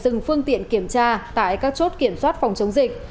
dừng phương tiện kiểm tra tại các chốt kiểm soát phòng chống dịch